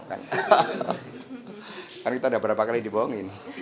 kan kita udah berapa kali dibohongin